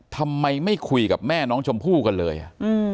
ทำไมไม่คุยกับแม่น้องชมพู่กันเลยอ่ะอืม